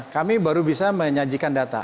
kami baru bisa menyajikan data